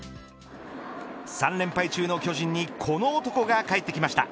３連敗中の巨人にこの男が帰ってきました。